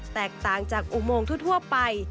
แตกต่างจากอุโมงทั่วไป